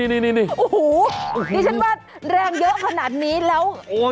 โอ้โหนี่ฉันว่าแรงเยอะขนาดนี้แล้วอ่ววววววว